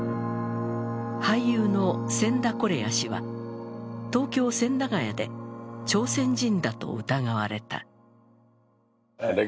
俳優の千田是也氏は東京・千駄ヶ谷で朝鮮人だと疑われた。